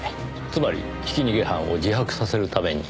つまりひき逃げ犯を自白させるために？